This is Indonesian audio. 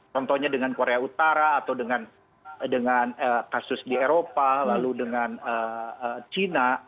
contohnya dengan korea utara atau dengan kasus di eropa lalu dengan china